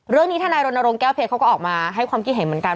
เรื่องนี้ท่านายรณรงค์แก้วเพจเขาก็ออกมาให้ความคิดเห็นเหมือนกัน